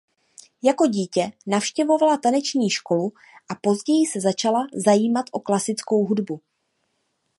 Jako dítě navštěvovala taneční školu a později se začala zajímat o klasickou hudbu.